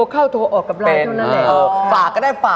เพราะว่า